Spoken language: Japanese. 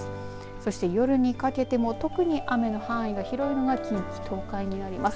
そして夜にかけても特に雨の範囲が広いのが近畿、東海になります。